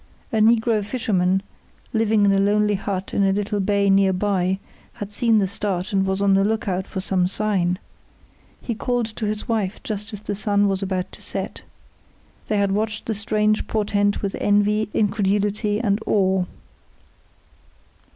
A negro fisherman, living in a lonely hut in a little bay near by, had seen the start and was on the lookout for some sign. He called to his wife just as the sun was about to set. They had watched the strange portent with envy, incredulity, and awe.